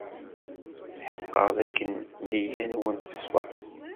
Tḥeqqeɣ dakken nneyya-nwen teṣfa.